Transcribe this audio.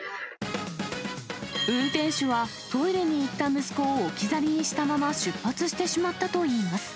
運転手はトイレに行った息子を置き去りにしたまま出発してしまったといいます。